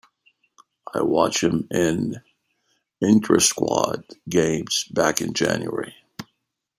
I watched him in intrasquad games back in January.